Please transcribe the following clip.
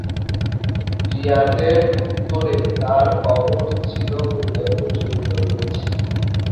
রিয়াদের উত্তরে তার কবর ছিল বলে প্রচলিত রয়েছে।